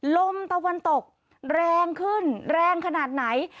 ลมตะวันตกแรงขึ้นแรงขนาดไหน